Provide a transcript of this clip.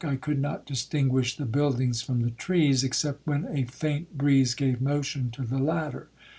I could not distinguish the buildings from the trees, except when a faint breeze gave motion to the latter.